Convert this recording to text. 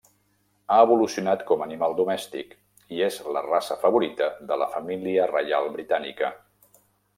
Ha evolucionat com animal domèstic, i és la raça favorita de la família reial britànica.